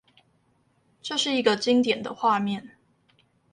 這是一個經典的畫面